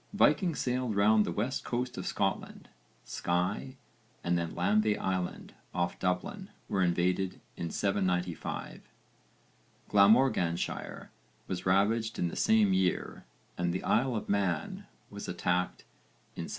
Vikings sailed round the west coast of Scotland. Skye and then Lambay Island off Dublin were invaded in 795, Glamorganshire was ravaged in the same year and the Isle of Man was attacked in 798.